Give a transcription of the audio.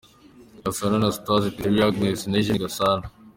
Gasana Anastase, Teteri Agnes na Eugene Gasana